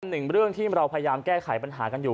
หนึ่งเรื่องที่เราพยายามแก้ไขปัญหากันอยู่